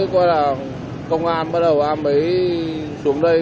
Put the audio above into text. coi là công an bắt đầu em mới xuống đây